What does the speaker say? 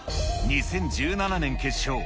２０１７年決勝。